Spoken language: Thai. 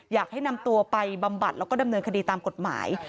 อยากให้นำตัวไปบำบัดแล้วก็ดำเนินคดีตามกฎหมาย